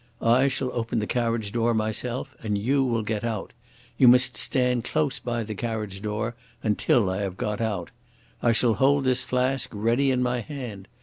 I shall open the carriage door myself and you will get out. You must stand close by the carriage door until I have got out. I shall hold this flask ready in my hand.